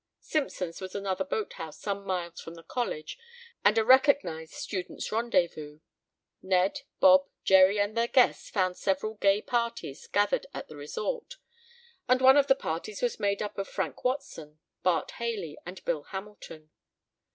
Simpson's was another boathouse some miles from the college, and a recognized students' rendezvous. Ned, Bob, Jerry and their guests found several gay parties gathered at the resort, and one of the parties was made up of Frank Watson, Bart Haley and Bill Hamilton.